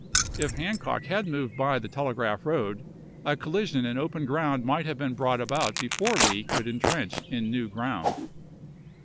If Hancock had moved by pp^faef is?, the Telegraph road, a collision in open ground might have been brought about before Lee could intrench in new ground.